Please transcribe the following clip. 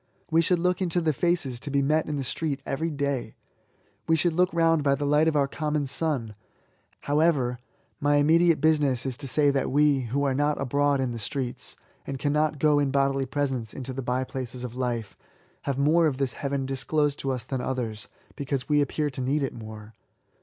We should look into the faces to be met in the street eyery day; we should look round by the light of our common sun. Howeyer, my immediate business is to say that we, who are not abroad in the streets, and cannot go in bodily presence into the by places of life, haye more of LIFE TO THE INVALID. 103 this heayen disclosed to us than others, because we appear to need it more.